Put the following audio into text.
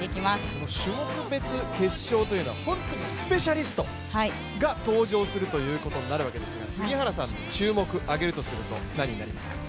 この種目別決勝というのは本当にスペシャリストが登場するということになるわけですけど杉原さんの注目を挙げるとすると誰になりますか？